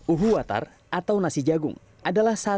uhuwatar atau nasi jagung adalah satu desa yang terdiri dari kota wengapu